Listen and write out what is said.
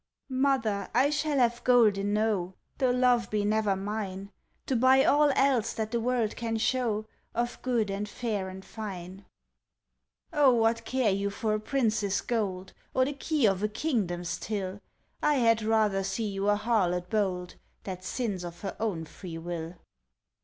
"Mother, I shall have gold enow, Though love be never mine, To buy all else that the world can show Of good and fair and fine." "Oh, what care you for a prince's gold, Or the key of a kingdom's till? I had rather see you a harlot bold That sins of her own free will.